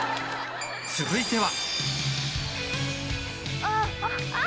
続いては